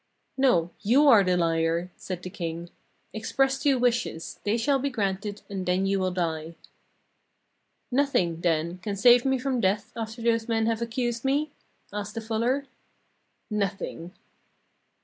'No, you are the liar!' said the king. 'Express two wishes; they shall be granted, and then you will die.' 'Nothing, then, can save me from death after those men have accused me?' asked the fuller. 'Nothing.'